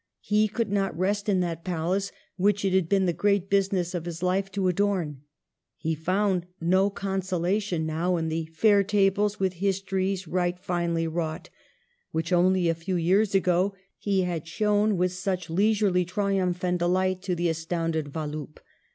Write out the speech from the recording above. He could not rest in that palace which it had been the great business of his life to adorn. He found no consolation now in the "fayre tables with histories right finely wrought," which only a few years ago he had shown with such leisurely triumph and delight to the as tounded Wallup.